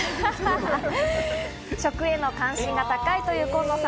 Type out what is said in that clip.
食への関心が高いというコンノさん。